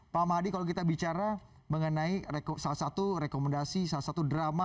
pak mahadi kalau kita bicara mengenai salah satu rekomendasi salah satu drama